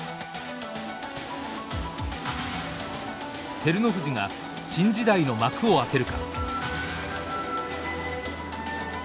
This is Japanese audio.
照ノ富士が新時代の幕を開けるか。